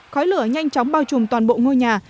khói lửa nhanh chóng bao trùm toàn bộ ngôi nhà